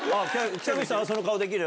北口さんは、その顔できる？